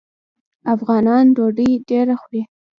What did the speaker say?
افغانان ډوډۍ ډیره خوري.